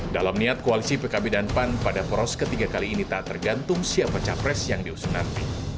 dalam niat koalisi pkb dan pan pada poros ketiga kali ini tak tergantung siapa capres yang diusung nanti